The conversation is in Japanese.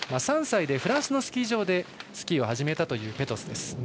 ３歳でフランスのスキー場でスキーを始めたというペトス。